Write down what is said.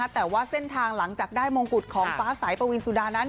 แต่ว่าเส้นทางหลังจากได้มงกุฎของฟ้าสายปวีนสุดานั้น